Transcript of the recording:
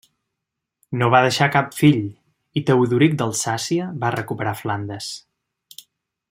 No va deixar cap fill i Teodoric d'Alsàcia va recuperar Flandes.